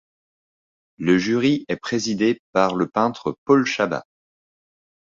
Le jury est présidé par le peintre Paul Chabas.